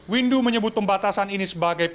windu menyebut pembatasan ini sebagai